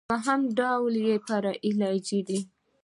دوهم ډول ئې فرعي لهجې دئ.